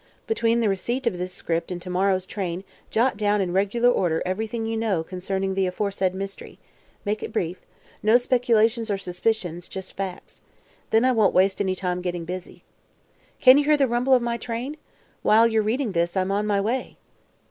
Between the receipt of this script and to morrow's train jot down in regular order everything you know concerning the aforesaid mystery. Make it brief; no speculations or suspicions, just facts. Then I won't waste any time getting busy. Can you hear the rumble of my train? While you're reading this I'm on my way!